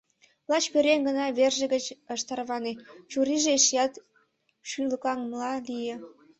Лач пӧръеҥ гына верже гыч ыш тарване, чурийже эшеат шӱлыкаҥмыла лие.